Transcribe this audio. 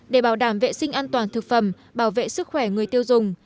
để bảo đảm vệ sinh an toàn thực phẩm bảo vệ sức khỏe người tiêu dùng